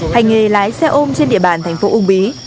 hành nghề lái xe ôm trên địa bàn thành phố uông bí